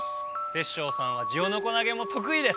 テッショウさんはジオノコ投げもとくいです！